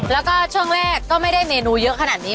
แล้วก็ช่วงแรกก็ไม่ได้เมนูเยอะขนาดนี้